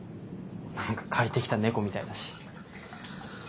何か借りてきた猫みたいだし。